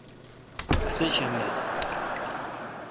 سہ شنبہ